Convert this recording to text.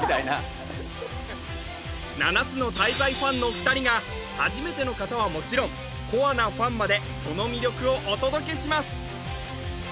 ファンの２人が初めての方はもちろんコアなファンまでその魅力をお届けします